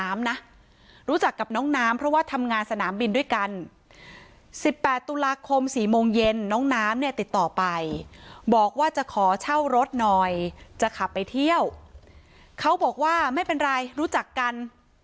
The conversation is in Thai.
๑๘ตุลาคม๔โมงเย็นน้องน้ำเนี่ยติดต่อไปบอกว่าจะขอเช่ารถหน่อยจะขับไปเที่ยวเขาบอกว่าไม่เป็นไรรู้จักกัน